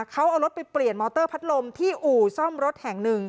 เขาเอารถไปเปลี่ยนมอเตอร์พัดลมที่อู่ซ่อมรถแห่งหนึ่ง